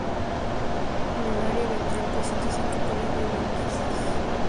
En el área ventral presenta cinco pares de branquias.